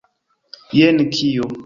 Jen kio!